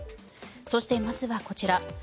そして、まずはこちら。